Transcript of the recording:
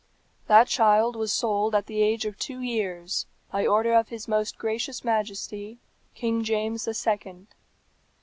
"That child was sold at the age of two years, by order of his most gracious Majesty, King James the Second.